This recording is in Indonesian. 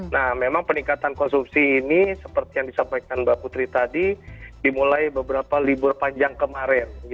nah memang peningkatan konsumsi ini seperti yang disampaikan mbak putri tadi dimulai beberapa libur panjang kemarin